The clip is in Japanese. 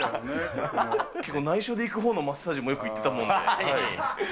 結構、内緒で行くほうのマッサージもよく行ってたもんで。